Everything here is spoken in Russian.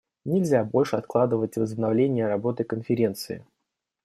Нельзя больше откладывать возобновление работы Конференции.